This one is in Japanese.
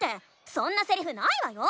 そんなセリフないわよ！